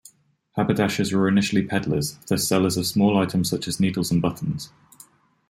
Haberdashers were initially peddlers, thus sellers of small items such as needles and buttons.